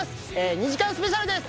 ２時間スペシャルです